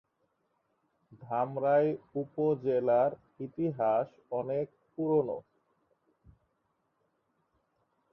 ধামরাই উপজেলার ইতিহাস অনেক পুরোনো।